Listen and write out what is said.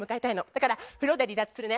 だから風呂で離脱するね。